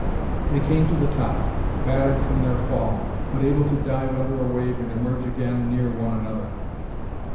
They came to the top, battered from their fall, but able to dive under a wave and emerge again near one another.